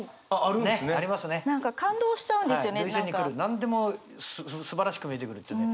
何でもすばらしく見えてくるというね。